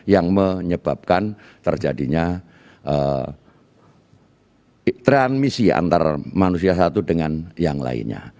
yang menyebabkan terjadinya transmisi antara manusia satu dengan yang lainnya